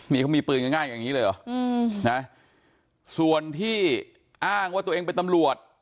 นี่เขามีปืนง่ายอย่างนี้เลยเหรออืมนะส่วนที่อ้างว่าตัวเองเป็นตำรวจ